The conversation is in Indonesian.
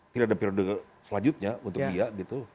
tidak ada periode selanjutnya untuk dia gitu